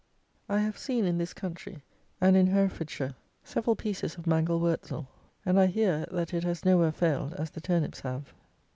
I have seen, in this country, and in Herefordshire, several pieces of Mangel Wurzel; and, I hear, that it has nowhere failed, as the turnips have.